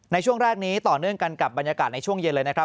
ในช่วงแรกนี้ต่อเนื่องกันกับบรรยากาศในช่วงเย็นเลยนะครับ